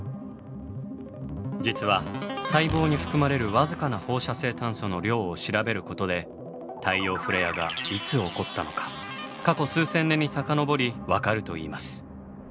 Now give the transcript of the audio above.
実は細胞に含まれる僅かな放射性炭素の量を調べることで太陽フレアがいつ起こったのか過去数千年に遡りわかるといいます。